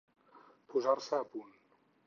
Posar-se a punt.